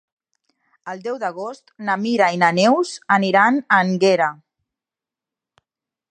El deu d'agost na Mira i na Neus aniran a Énguera.